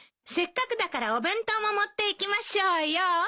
せっかくだからお弁当も持っていきましょうよ。